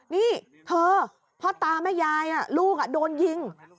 นี่เธอพ่อตาแม่ยายลูกโดนยิง